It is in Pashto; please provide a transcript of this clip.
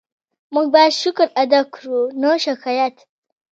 موږ باید شکر ادا کړو، نه شکایت.